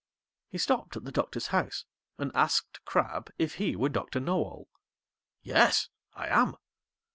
He stopped at the Doctor's house, and asked Crabb if he were Doctor Know all. 'Yes, I am.'